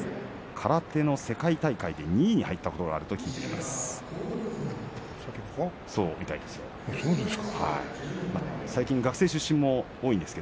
空手の世界大会で２位に入ったことがあると聞いています。